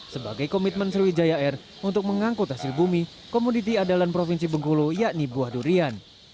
sebagai komitmen sriwijaya air untuk mengangkut hasil bumi komoditi andalan provinsi bengkulu yakni buah durian